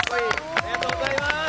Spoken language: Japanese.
ありがとうございます。